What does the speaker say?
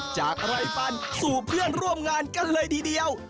จากไร่ฟันสู่เพื่อนร่วมงานกันเลยทีเดียว